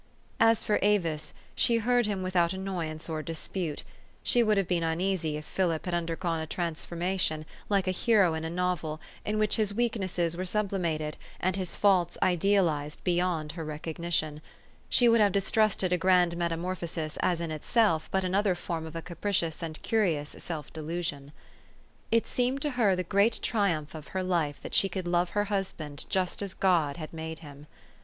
As for Avis, she heard him without annoyance or dispute. She would have been uneasy if Philip had undergone a transfiguration, like a hero in a novel, in which his weaknesses were sublimated, and his faults idealized beyond her recognition. She would THE STORY OF AVIS. 427 have distrusted a grand metamorphosis as in itself but another form of a capricious and curious self delusion. It seemed to her the great triumph of her life that she could love her husband just as God had made him.